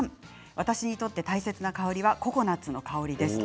私にとって大切な香りはココナツの香りです。